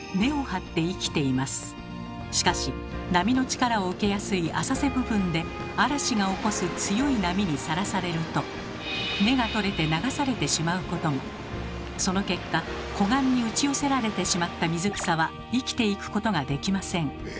しかし波の力を受けやすい浅瀬部分で嵐が起こす強い波にさらされるとその結果湖岸に打ち寄せられてしまった水草は生きていくことができません。